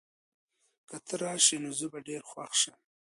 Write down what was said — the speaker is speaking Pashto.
که ته راشې، نو زه به ډېر خوښ شم.